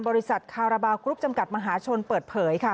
คาราบาลกรุ๊ปจำกัดมหาชนเปิดเผยค่ะ